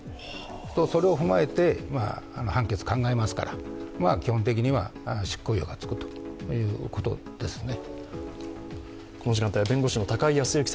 それを踏まえて判決を考えますから基本的には執行猶予がつくということですね。